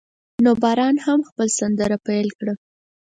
نو باران هم خپل سندره پیل کړه.